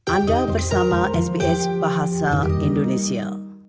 anda bersama sbs bahasa indonesia